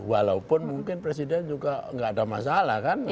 walaupun mungkin presiden juga nggak ada masalah kan